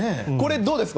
どうですか？